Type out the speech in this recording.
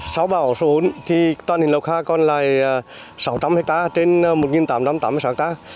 sau bão số bốn toàn huyện lộc hà còn lại sáu trăm linh hectare trên một tám trăm tám mươi sáu hectare